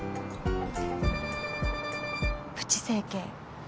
プチ整形。